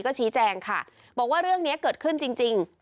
ก็ชี้แจงค่ะบอกว่าเรื่องนี้เกิดขึ้นจริง